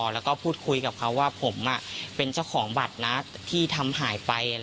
แล้วก็พูดคุยกับเขาว่าผมเป็นเจ้าของบัตรนะที่ทำหายไป